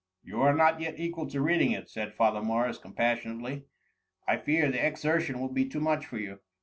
" You are not yet equal to reading it,'' said Father Morris compassionately; " I fear the exertion will be too much, for you."